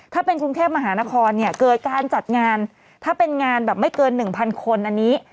ถ้าเป็นกรุงเทพมหานครเนี่ยเกิดการจัดงานถ้าเป็นงานแบบไม่เกิน๑๐๐คนอันนี้